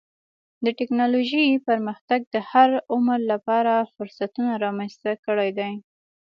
د ټکنالوجۍ پرمختګ د هر عمر لپاره فرصتونه رامنځته کړي دي.